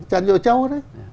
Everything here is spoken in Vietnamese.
trần dũ châu đấy